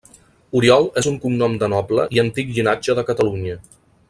Oriol és un cognom de noble i antic llinatge de Catalunya.